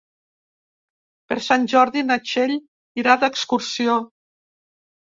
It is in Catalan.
Per Sant Jordi na Txell irà d'excursió.